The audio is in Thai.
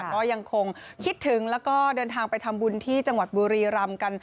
ก็ยังคงคิดถึงแล้วก็เดินทางไปทำบุญที่จังหวัดบุรีรำกัน